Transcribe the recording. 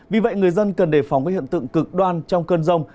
vì vậy người dân cần đề phòng các hiện tượng cực đoan trong cơn rông